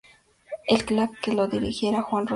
El que los dirigía era Juan Rolón.